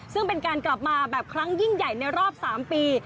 ซึ่งเป็นการกลับมาแบบครั้งยิ่งใหญ่ในรอบ๓ปี